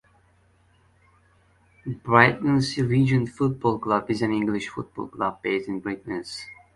Brightlingsea Regent Football Club is an English football club based in Brightlingsea, Essex.